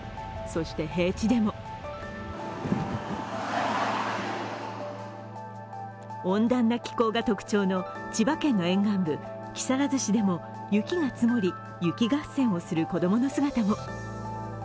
そして平地でも温暖な気候が特徴の千葉県の沿岸部・木更津市でも、雪が積もり、雪合戦をする子供の姿も。